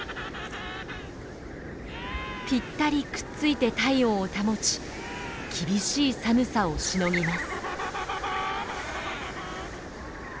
ぴったりくっついて体温を保ち厳しい寒さをしのぎます。